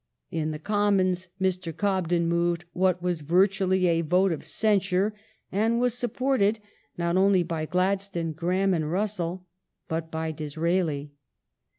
In the Commons Mr. Cobden moved what was virtually a vote of censure, and was supported not only by Gladstone, Graham, and Russell, but by Disraeli.